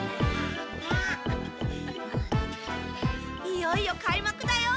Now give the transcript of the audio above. いよいよ開幕だよ！